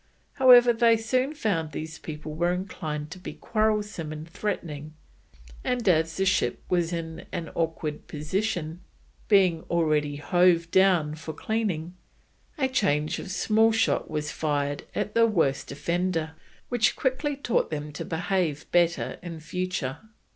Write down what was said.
However, they soon found these people were inclined to be quarrelsome and threatening, and as the ship was in an awkward position, being already hove down for cleaning, a charge of small shot was fired at the worst offender, which quickly taught them to behave better in future.